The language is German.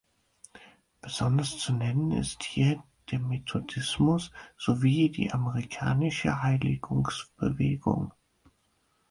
Besonders zu nennen ist hier der Methodismus sowie die amerikanische Heiligungsbewegung.